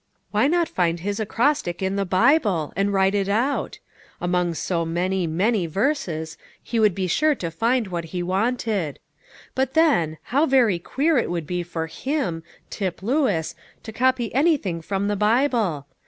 Why not find his acrostic in the Bible, and write it out? among so many, many verses, he would be sure to find what he wanted. But then, how very queer it would be for him, Tip Lewis, to copy anything from the Bible!